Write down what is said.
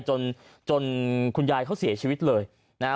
จนจนคุณยายเขาเสียชีวิตเลยนะฮะ